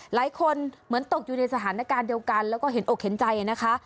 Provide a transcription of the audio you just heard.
หลายคนเหมือนตกอยู่ในสถานการณ์เดียวกันแล้วก็เห็นอกเห็นใจนะคะ